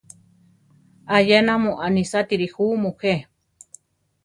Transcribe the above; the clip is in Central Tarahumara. Ayena mu anisátiri ju mujé.